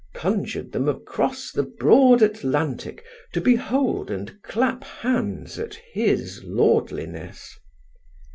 conjured them across the broad Atlantic to behold and clap hands at his lordliness.